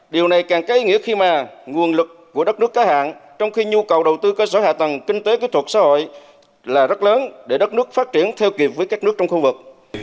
điều này càng cây nghĩa khi mà nguồn lực của đất nước cao hạng trong khi nhu cầu đầu tư có gió hạ tầng kinh tế kỹ thuật xã hội là rất lớn để đất nước phát triển theo kịp với các nước trong khu vực